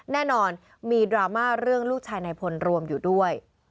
แน่นอนมีดราม่าเรื่องลูกชายนายพลรวมอยู่ด้วย